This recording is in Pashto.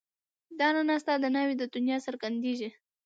دا رڼا ستا د ناوې د دنيا درڅرګنديږي